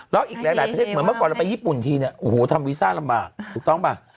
แล้วอีกหลายประเทศเหมือนเมื่อก่อนเราไปญี่ปุ่นทีเนี่ยโอ้โหทำวีซ่าลำบากถูกต้องป่ะ